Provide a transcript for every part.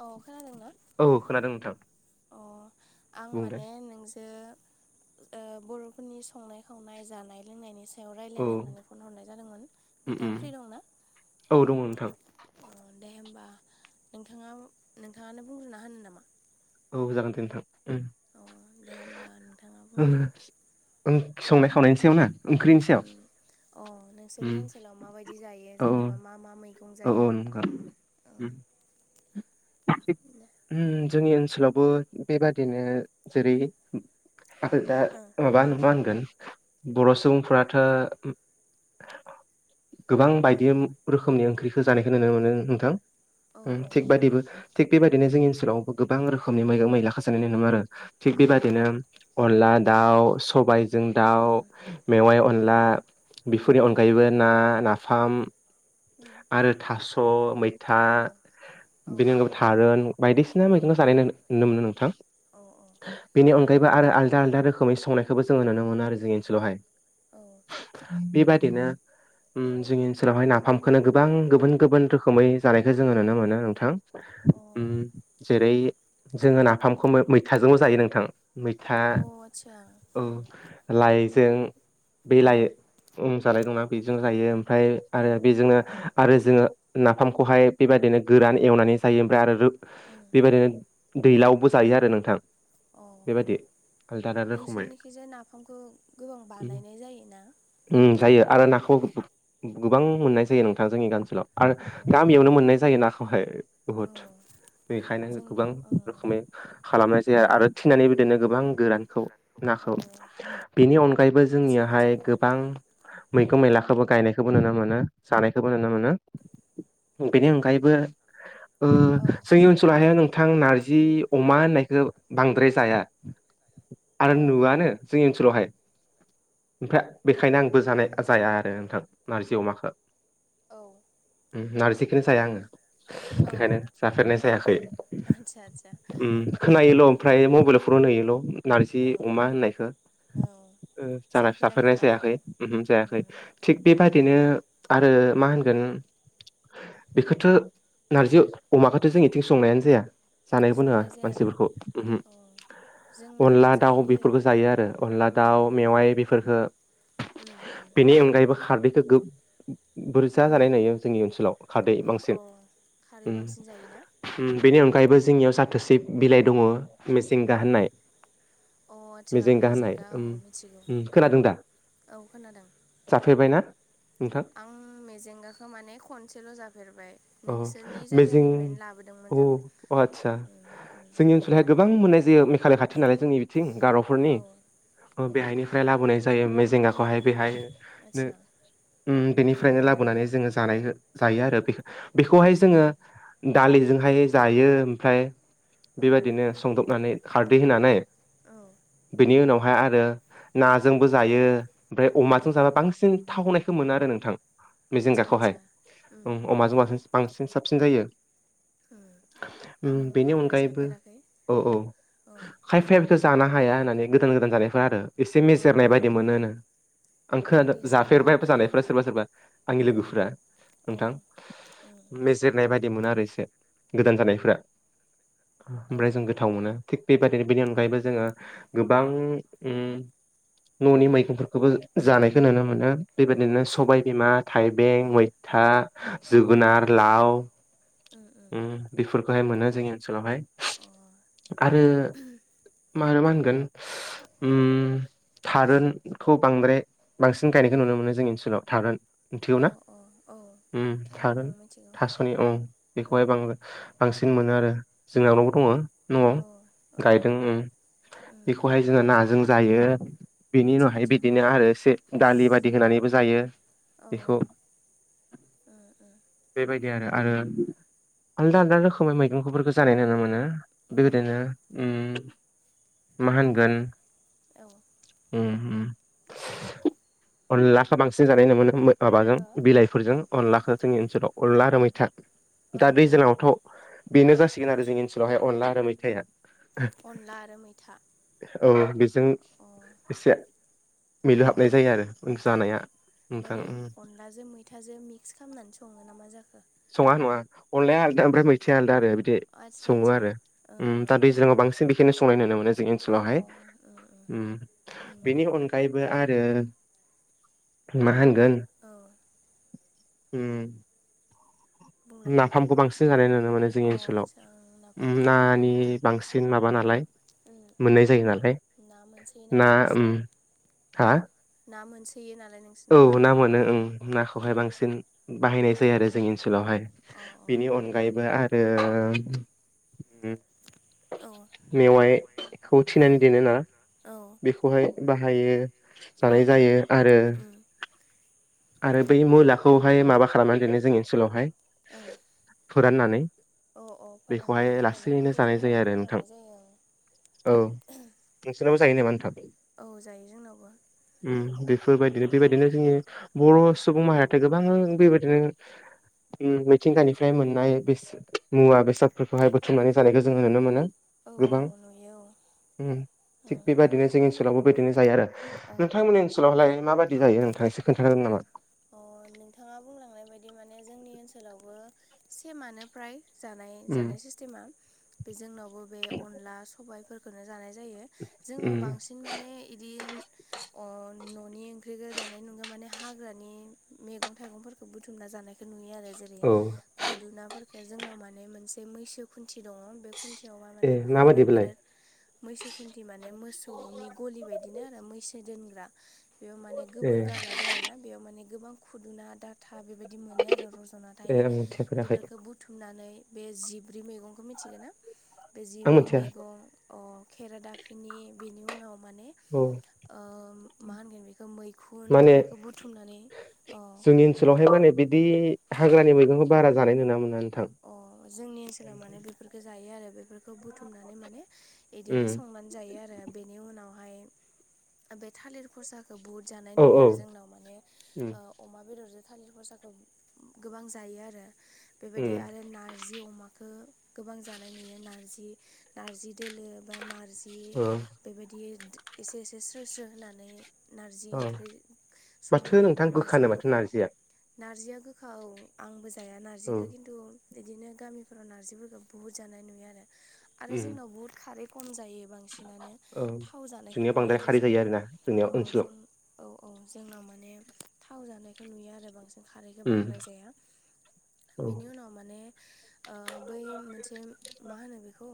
अ खोनादोंना? औ खोनादों नोंथां। अ आं बुंलाय माने नोंजो ओ बर'फोरनि संनाय खावनाय जानाय लोंनायनि सा सायाव औ रायज्लायनो होननानै फन हरनाय जादोंमोन उम नोंथाङा उम फ्रि दंना? औ दङ नोंथां अ दे होमबा नोंथाङा नोंथाङानो बुंग्रोना होनो नामा? औ जागोन दे नोंथां ओम। अ दे होनोमबा नोंथाङा बुंलाय ओ संनाय खावनायनि सायावना ओम अ नोंसोरनि उम ओनसोलाव माबायदि जायो औ जेनेबा मा मा मैं औ औ नंगौ [unintelligible] ओम जोंनि ओनसोलावबो बेबादिनो जेरै माखो दा माबा मा होनगोन? बर' सुबुंफोराथ' गोबां बायदि रोखोमनि ओंख्रिखौ जानायखौ नुनो मोनो नोंथां ओ ओ थिग ओ बिबायदि औ थिग बेबायदिनो जोंनि ओनसोलावबो गोबां रोखोमनि मैगं मैला खासानायनाय नुनो मोनो आरो थिग औ उम बेबायदिनो अनला दाउ सबाय। जों दाउ मेवाइ उम अनला बेफोरनि उम अनगायैबो ना नाफाम। ओम। आरो थास' मै था औ बेनि अनगायैबो थारुन बायदिसिना औ मैगंखौ जानाय नुनो मोनो नोंथां। औ बेनि अनगायैबो आरो आलदा आलदा रोखोमै संनायखौबो जोङो नुनो मोनो जोंनि ओनसोलावहाय। औ बेबायदिनो जोंनि ओनसोलावहाय नाफामखौनो गोब गोबां गुबुन गुबुन रोखोमै जानायखौ जोङो नुनो मोनो नोंथां औ अ जेरै जोङो नाफामखौ मैथाजोंल' जायो नोंथां मैथा अ आतसा औ लाइजों बे ओ लायो जानाय नङा बेजों जायो ओमफ्राय ओ आरो बेजोंनो आरो जोङो नाफामखौहाय बेबायदिनो गोरान एवनानै जायो ओमफ्राय आरो ओ बेबायदिनो दैलावबो जायो आरो नोंथां। अ बेबायदि आलदा आलदा रोखोमै नोंसोरनिखि जाय नाफामखौ गोबां बानायनाय जायोना? उम जायो आरो नाखौ गोबां मोननाय जायो नोंथां जोंनि ओनसोलाव आरो अ गामियावनो मोननाय जायो नाखौहाय। औ बहुद बेखायनो जोंना गोबां ओ रोखोमै औ खालामनाय जाया आरो आरो थिनानै बिदिनो गोबां गोरान खौ नाखौ आदसा बेनि अनगायैबो आदसा जोंनियावाहाय गोबां मैगं मैलाखौबो गायनायखौबो नुनो मोनो जानाय नुनो मोनो बेनि अनगायैबो उम औ जोंनि ओनसोलाव हाय थां नारजि अमा होननायखो बांद्राय जाया आरो औ औ नुवनो जोंनि ओनसोलावहाय ओमफ्राय औ बेखायनो आंबो जानाय जाया आरो नोंथां नारजि अमाखौ औ उम नारजिकिनि जाया आङो बेखायनो औ जाफेरनाय जायाखै आदसा आदसा उम खोनायोल' उम ओमफ्राय मबाइलाव फुरुनहयोल' नार्जि औ अमा होननायखौ औ जाना जाफेराखै फिसाफोरनाय माने ओमहो जायाखै उम थिग अ बेबायदिनो आरो मा होनगोन बेखौथ' नारजि अमाखौथ' जों इथिं संनायानो जाया जानायबो नोवा संनाय जायाना मानसिफोरखौ अ जोंना अनला दाउ जायो बेफोरखौ जायो आरो अनला औ दाउ उम मेवाइ बेफोरफोरखो उम बेनि अनगायैबो खारदैखौ गो बुरजा उम जानाय नुयो जोंनि ओनसोलाव खारदै अ बांसिन खारै बांसिन जायोना बेनि अनगायैबो जोंनियाव जाथोसि बिलाइ दङ मिसेंगा औ होननाय। अ आदसा मिजेंगा होननाय मेजेंगा औ मिथिगौ खोनादों दा? औ खोनादों। जाफैबाय ना नोंथां? आं मेजेंगाखौ माने खनसेल' जाफेरबाय। अ नोंसोरनि मिजिं जायगानिफ्रायनो लाबोदोंमोन औ जां आतसा। उम उम जोंनि ओनसोलावहाय गोबां मोननाय जायो मेघालय खाथि नालाय जोंनि बिथिं औ गार'फोरनि। औ बेहायनिफ्राय लाबोनाय जायो मेजेंगाखौहाय बेहाय नो आदसा उम बिनिफ्रायनो उम लाबोनानै जोङो जानाय जायो आरो बेख-बेखौहाय जोङो दालिजोंहाय जायो ओमफ्राय औ बेबायदिनो संदबनानै खारदै होनानै औ। बेनि उनावहाय आरो नाजोंबो उम जायो ओमफ्राय औ अमाजों औ जाबा बांसिन थावनायखौ मोनो आरो नोंथां आदसा मिजिंगाखौहाय आदसा उम उम अमाजों माजों बांसिन साबसिन जायो। उम आं [inaudible] बेनि बांद्राय अनगायैबो जाफेराखै औ औ। औ खायफाया बेखौ जानो हाया होननानै गोदान गोदान जानायफोर आरो। एसे औ औ मेजेरनाय बायदि मोनोनो आं खोनादों टेस्टखौ जाफेरबाय बावबाय जानायफोरा उम सोरबा सोरबा आंनि औ लोगोफोरा औ नोंथां। उम बेज जिरनाय बायदि मोनो आरो एसे गोदान जानायफोरा औ ओमफ्राय जों गोथाव मोनो थिग बेबादिनो बेनि औ अनगायैबो जोङो गोबां उम [inaudible] न'नि मैगंफोरखौबो जानायखौ नुनो मोनो। बेबायदिनो आदसा सबायबिमा, थाइबें, औ मैथा, जोगोनार, लाव ओ ओ। उम बेफोरखौहाय मोनो जोंनि ओनसोलावहाय अ। आरो मानो मा होनगोन उम थारुनखौ बांद्राय बांसिन गायनायखौ नुनो मोनो जोंनि ओनसोलाव। थारुन अ मिथिगौना? अ औ [inaudible] उम थारुन थारुनाव मिथिगौ थास'नि औ। उम बेखौहाय बां-बांसिन मोनो आरो। औ जोंनावनबो दङ औ न'आव औ गायदों उम बेखौ। उम बेखौहाय जोङो नाजों जायो। बेनि आदसा उनावहाय आदसा बिदिनो आरो एसे दालि बायदि होनानैबो जायो बेखौ ओ ओ। बेबायदि आरो आरो आलदा आलदा रोखोमै मैगंफोरखौ जानाय नुनो मोनो। उम बेबायदिनो उम [inaudible] मा होनगोन औ। उम उम अनलाखौ बांसिन जानाय नुनो मोनो माबाजों हो बिलाइजो फोरजों अनलाखौ जोंनि ओनसोलाव अनला आरो मैथा। औ दा औ दैज्लांङावथ' बेनो जासिगोन आरो जोंनि ओनसोलावहाय अनला आरो मैथाया। अनला आरो मैथा ओ [inaudible] औ बेजों अ एसे। उम मिलुहाबनाय उम जायो आरो जानाया नोंथां। नाजों मैथाजों मिक्स खालामनानै सङो नामा जाखो? सङा नङा। अनलाया आलदा ओमफ्राय मैथिया आलदा आरो बि दि आदसा सङो आदसा आरो उम दा दैज्लांआव बांसिन बेखायनो संनायनाय नुनो मोनो जोंनि ओ ओनसोलावहाय अ उम। उम बेनि अनगायैबो आरो मा होनगोन औ। उम। बुंलाय नाफामखौ बांसिन जानाय नुनो मोनो जोंनि अ ओनसोलाव। आदसा ओं उम नाफाम नानि बांसिन माबा नालाय उम उम मोननाय जायो नालाय ना मोनसैयो ना नालाय उम नोंसिनाव। हा ना मोनसोयो नालाय नों औ ना मोनो ओं नाखौहाय बांसिन बाहायनाय जायो आरो जोंनि ओनसोलावहाय ओ ओ बेनि अनगायैबो आरो मेवाइखौ थिनानै दिनो ना बे खौहाय बाहायो जानाय जायो आरो आरो बै मुलाखौहाय माबा खालामनानै दोनो जोंनि ओनसोलावहाय औ फोराननानै ओ ओ बेखौहाय फोराननानै दोनोना लासैनो बेखौ जानाय जायो जोंनावबो आरो नोंथां फोराननाय जायो ओं औ नोंसोनावबो जायो नामा नोंथां? औ जायो जोंनावबो उम बेफोरबायदिनो बेबायदिनो जोंनि बर' सुबुं माहारियाथ' गोबां बेबायदिनो उम मिथिंगानिफ्राय मोननाय बेसा मुवा बेसादफोरखौहाय बुथुमनानै जानायखौ जोङो नुनो मोनो औ गोबां औ नुयो औ उम थिग ओं बेबादिनो जोंनि ओन सोलावबो बिदिनो जायो आरो ओं नोंथांमोननि ओनसोलावलाय माबायदि जायो नोंथां एसे खोन्थागोन नामा ओ नोंथाङा बुंलांनाय बायदि माने जोंनि ओनसोलावबो सेमानो फ्राय जानाय उम जानाय सिस्टेमा बे जोंनावबो बे अनला सबायफोरखौनो जानाय जायो जोंनाव उम बांसिन माने इदि ओ न'नि ओंख्रिखौ जानाय नङा माने हाग्रा नि मेगं थाइगंफोरखौ बुथुमना जानायखौ नुयो आरो जेरै औ खुदुनाफोरखौ जोंनाव माने मोनसे मैसो खुन्थि दङ बे खुन्थियाव मा ए माने खुुरुना माबायदि बेलाय बिराद मैसो खुन्थि माने मोसौनि गलि बायदिनो आरो मैसो दोनग्रा बेयाव माने ए गोबोर गारना दोनोना बेयाव माने गोबां खुदुना दाथा बेबाय दि मोनो आरो रज'ना ए थायो आं मिथियाफेराखै बेफोरखौ बु थुमनानै बे जिब्रै मेगंखौ मिथिगोन ना बे आं जिब्रै मिथिया मेगं अ खेरादाफिनि बेनि उनाव माने ओ औ मा होनगोन बेखौ मैखुन माने बेफोरखौ बुथुमनानै ओ जोंनि ओनसोलावहाय माने बिदि हाग्रानि मैगंखौ बारा जानाय नुना मोना नोंथां ओ जोंनि ओनसोलाव माने बेफोरखौ जायो आरो बेफोरखौ बुथुमनानै माने बिदिनो उम संनानै जायो आरो बेनि उनावहाय बे थालिर फसा बुहुत जानाय औ नुयो औ आरो जोंनाव माने उम ओ अमा बेदरजों थालिर फसाखौ गोबां जायो आरो उम बेबायदि आरो नारजि अमा खौ गोबां जानाय नुयो नारजि नारजि दोलो बा नारजि औ बेबायदि एसे एसे स्रो स्रो होनानै नारजि ओंख्रि बाथो संनाय नोंथां अमाजो गोखानो माथो नारजिया नारजिया गोखा ओं आंबो जाया ना औ खिन्थु बिदिनो गामिफोराव नारजिफोरखौ बुहुत जानाय नुयो आरो उम जोंनाव बुहुत खारै खम जायो बांसिनानो औ थाव जानायखौ जोंनिया नुयो बांद्राय आरो खारै जायो जोंनाव आरोना जोंनियाव ओ ओनसोलाव जों औ औ जोंनाव माने थाव जानायखौ नुयो आरो बांसिन खारैखौ उम बांद्राय जाया औ बेनि उनाव माने ओ बै मोनसे मा होनो बेखौ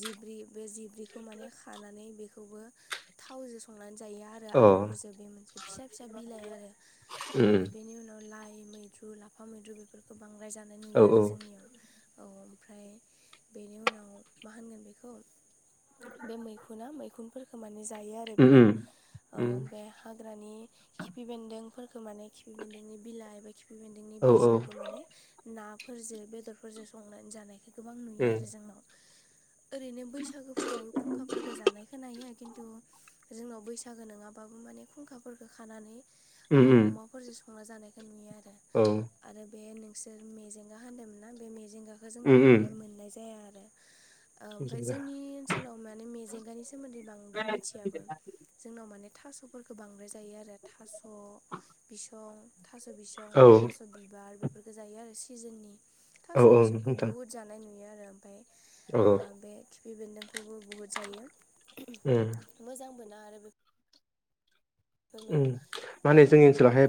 जिब्रि बे जिब्रिखौ माने खानानै बेखौबो थावजो संनानै जायो आलुफोरजों बे मोनसे फिसा फिसा बिलाइ आरो ओ बेनि उनाव लाइ मै द्रु लाफा मैद्रु बेफोरखौ बांद्राय जानाय अ नुयो आरो जोंनियाव औ ओमफ्राय बेनि उनाव मा होनगोन बेखौ बे मैखुना मैखुनफोरखौ माने जायो आरो उम बिराद औ उम बे हाग्रानि खिफि बेन्दोंफोरखौ माने खिफि बेन्दोंनि बिलाइ एबा खिफि बेन्दोंनि औ बिजौ माने नाफोरजों बेदर फोरजों संनानै जानायखौ गोबां नुयो उम आरो जोंनाव ओरैनो बैसागोफोराव खुंखाफोरखौ जानाय खोनायो खिन्थु जोंनाव बैसागो नङाबाबो माने खुंखाफोरखौ खानानै ओ उम उम अमाफोरजों सं - ना जानायखौ नुयो आरो। औ आरो बे नोंसोर मेजेंगा होनदोंमोन ना बे मेजेंगाखौ उम जोंनाव उम बांद्राय मोननाय जाया आरो। ओ ओमफ्राय जोंनि ओन्सोलाव माने मेजेंगानि सोमोन्दै बांद्राय मिथियाबो। जोंनाव माने थास'फोरखौ बांद्राय जायो आरो थास' बिसं थास' बिस सं बा औ थास' बिबार बेफोरखौ जायो आरो सिजोननि औ थास' बिसंखौ नोंथां बहुद जानाय नुयो आरो ओमफ्राय औ ओ बे खिफि बेन्दोंखौबो बुहुत जायो। ओम मोजां मोना आरो बे ओं ओ माने जोंनि ओन्सोलावहाय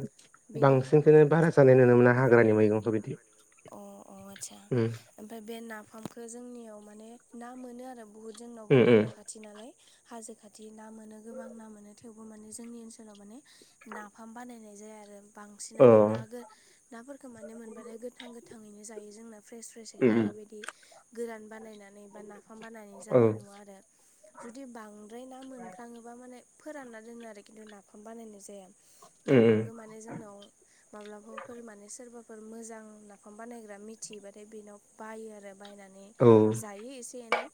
बेनि बांसिनखौनो बारा जानाय नुनो मोना हाग्रानि मैगंफोर बिदि। अ अ आदसा ओम ओमफ्राय बे नाफामखौ जोंनियाव माने ना मोनो आरो बुहुत जोंनावबो उम उम दैमा खाथि नालाय। हाजो खाथि ना मोनो गोबां ना मोनो थेवबो माने जोंनि ओन्सोलाव माने नाफाम बानायनाय जाया आरो। अ बांसिनानो ना गो- नाफोरखौ माने मोनबथाय गोथां गोथाङैनो जायो जोंना फ्रेस फ्रेस उम बिदिनो बेबायदि गोरान बानायनानै बा नाफाम बानायनानै औ जानाय नुवा आरो। जुदि बांद्राय ना मोनफ्लाङोबा माने फोरानना दोनो आरो खिन्थु नाफाम बानायनाय जाया। उम उम नाफामखौ माने जोंनाव माब्लाबा फोर माने सोरबाफोर मोजां नाफाम बानायग्रा मिथियोबाथाय बेनाव बायो आरो। बायनानै औ उम जायो एसे एनै।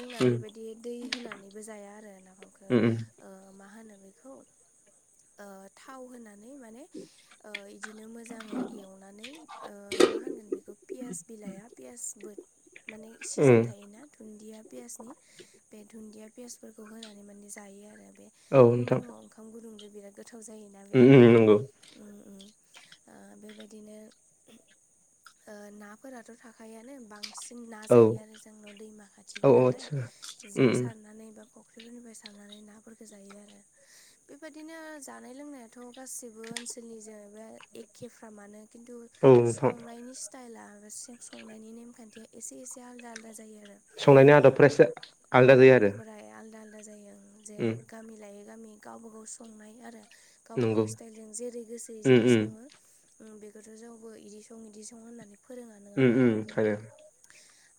जोंना बेबायदि दै होनानैबो जाया आरो नाफामखौ उम उम ओ मा होनो बेखौ ओ थाव होनानै माने ओ इदिनो मो मोजाङै एवनानै ओ मा होनगोन बेखौ पियास बिलाइया पियासबो माने सिजोन उम थायोना दुन्दिया पियासनि बे दुदिया पियासफोरखौ होनानै माने जायो आरो बे औ फुं नोंथां फुङाव ओं खाम गुदुंजों बिराद गोथाव जायोना बे उम उम नंगौ ओम ओम। ओ बेबायदिनो ओ नाफोराथ' थाखायोआनो बां बांसिन ना औ जायो आरो जोंनाव दैमा खाथिबो औ नालाय आदसा जे उम सारनानै बा ख फोरनिफ्राय सारनानै नाफोरफोरखौ जायो आरो। बेबायादिनो जानाय लोंनायाथ' गासिबो ओन्सोलनि जेनबा एखेफ्रामानो खिन्थु औ नोंथां संनायनि सि स्टाइला संनायनि नेमखान्थिया एसे एसे आलादा आलादा जायो आरो। संनायनि आदबफ्रा एसे [inaudible] अ आलदा जायो आरो आदबफोरा आलदा आलदा जायो ओम। जे उम गामि लायै गामि गावबा गाव संनाय आरो गावबा गाव नंगौ स्टाइलजों जेरै गोसो उम इजिनो सं उम ओम बेखौथ' जोंबो बिदि सं इदि सं होननानै फोरोङा नङा उम होमबा? उम ओंखायनो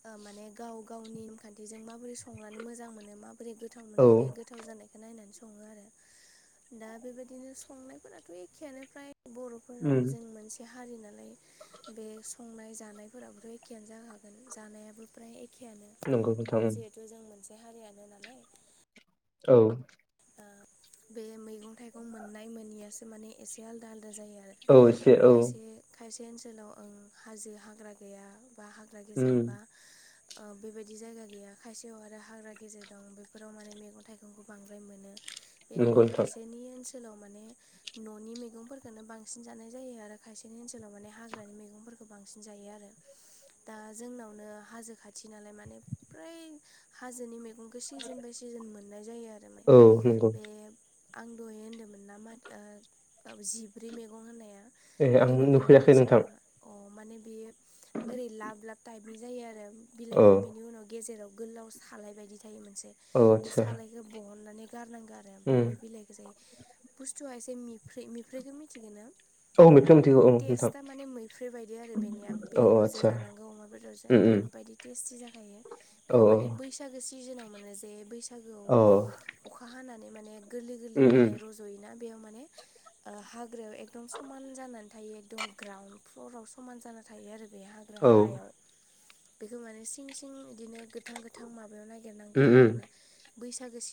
ओ माने गाव गावनि नेमखान्थिजों माबोरै संनानै मोजां मोनो माबोरै गो गोथाव औ मोनो बे गो गोथाव जानायखौ नायनानै सङो आरो। दा बेबायदिनो संनायफोराथ' एखेयानो फ्राय बर'फोरा उम जों मोनसे हारि नालाय बे संनाय जानायफोराबोथ' एखेयानो जाखागोन जानायाबो फ्राय एखेयानो। नोंगौ थारैनो थ' जों मोनसे हारियानो नालाय औ ओ बे मैगं थाइगं मोननाय मोनैयासो माने एसे आलादा आलादा जायो। ओ औ एसे औ खायसे खायसे ओन्सोलाव ओ हाजो हाग्रा गैया बा हा ग्रा उम गेजेरबा बेबायदि जायगा गैया खायसेयाव आरो हाग्रा गेजेर दं बेफोराव माने मैगं थाइगंखौ बां द्राय मोनो बे आरो नंगौ नोंथां खायसेनि ओनसोलाव माने न'नि मैगंफोरखोनो बांसिन जानाय जायो आरो खायसेनि ओनसोलाव माने हाग्रानि मैगंफोरखौ बांसिन जायो आरो। दा जोंनावनो हाजो खाथि नालाय माने फ्राय हाजोनि मेगं खो सिजोन बाय सिजोन मोननाय जायो आरोम औ नंगौ बे आं दहय होन्दोंमोन ना माथो जिब्रै मैगं होननाया ए आं बेखौ नोंथांङा नुफैयाखै मिथिया नोंथां खोमा अ माने बे ओरै लाब लाब टाइपनि जायो आरो औ बिलाइआ बेनि उनाव गेजेराव गोलाव सालाय बायदि थायो मोनसे औ बे आदसा सालायखौ बहन नानै गारनांगौ आरो उम ओमफ्राय बे बिलाइखौ जाय बुस्थुआ एसे मिफ्रै मिफ्रैखो मिथिगोना औ मैफ्राय मोनथिगौ औ नोंथां टेस्टा माने मैफ्रु बायदि आरो बेनिया औ औ बेदरजों आदसा जानांगौ अमा बेदरजों उम उम ओरैबायदि टेस्टि जाखायो औ बेखौ माने बैसागो सिजोनाव मोनो जे बैसागोआव औ अखा हानानै माने गोरलै गोरलै उम उम बिलाइ रज'योना बेयाव माने हाग्रायाव एकदम समान जानानै थायो एकदम ग्राउन्ड फ्लराव समान जाना थायो आरो बे हा औ हायाव बेखौ माने सिं सिं बिदिनो गो गोथां गोथां माबायाव नागिरनांगो उम आरो उम होमबाना बैसागो सि